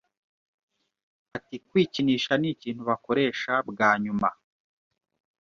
Ati Kwikinisha ni ikintu bakoresha bwa nyuma